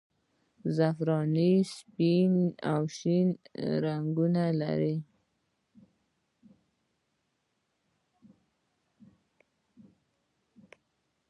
زعفراني سپین او شین رنګونه لري.